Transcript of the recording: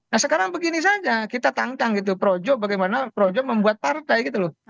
nah sekarang begini saja kita tantang gitu projo bagaimana projo membuat partai gitu loh